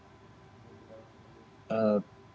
terkait bukti betul